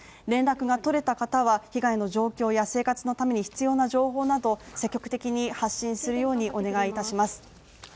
連絡が取れた方は、被害の状況や生活のために必要な情報などを積極的に発信するようにお願いいたします。